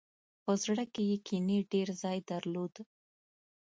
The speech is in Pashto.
په زړه کې یې کینې ډېر ځای درلود.